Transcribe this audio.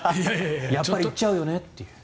やっぱり行っちゃうよねっていう。